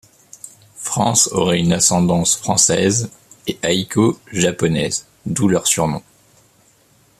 Frances aurait une ascendance française, et Aiko japonaise, d'où leurs surnoms.